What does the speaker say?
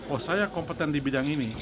oh saya kompeten di bidang ini